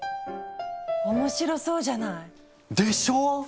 面白そうじゃない。でしょう！